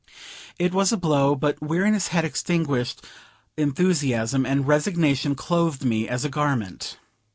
It was a blow; but weariness had extinguished enthusiasm, and resignation clothed me as a garment.